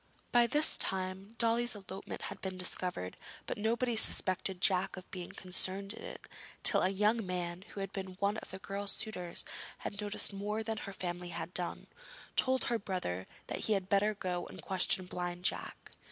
By this time Dolly's elopement had been discovered, but nobody suspected Jack of being concerned in it till a young man, who had been one of the girl's suitors and had noticed more than her family had done, told her brother that he had better go and question Blind Jack.